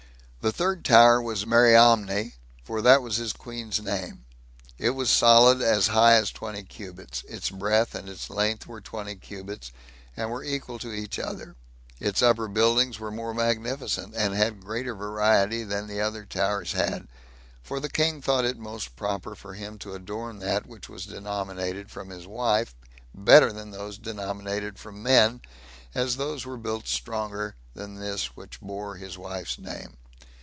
The third tower was Mariamne, for that was his queen's name; it was solid as high as twenty cubits; its breadth and its length were twenty cubits, and were equal to each other; its upper buildings were more magnificent, and had greater variety, than the other towers had; for the king thought it most proper for him to adorn that which was denominated from his wife, better than those denominated from men, as those were built stronger than this that bore his wife's name.